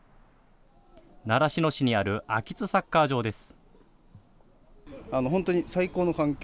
習志野市にある秋津サッカー場です。